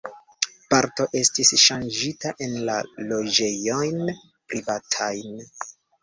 Parto estis ŝanĝita en loĝejojn privatajn.